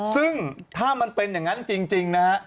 ซึ่งถ้ามันเป็นอย่างนั้นจริงนะฮะ